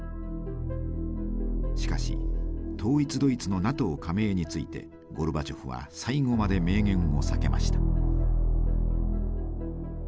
しかし統一ドイツのＮＡＴＯ加盟についてゴルバチョフは最後まで明言を避けました。